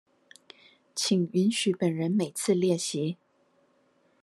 請允許本人每次列席